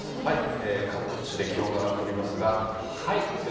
各地で気温が上がっておりますが。